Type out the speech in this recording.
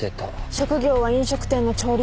職業は飲食店の調理師。